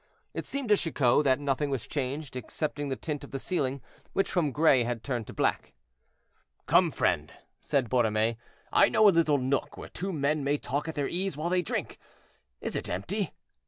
It seemed to Chicot that nothing was changed excepting the tint of the ceiling, which from gray had turned to black. "Come, friend," said Borromée, "I know a little nook where two men may talk at their ease while they drink. Is it empty?"